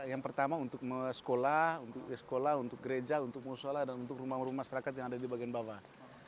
yang pertama untuk sekolah untuk sekolah untuk gereja untuk musyola dan untuk rumah rumah masyarakat yang ada di bagian bawah